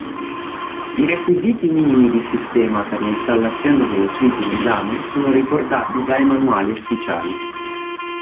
I requisiti minimi di sistema per l'installazione delle suite in esame sono riportati dai manuali ufficiali.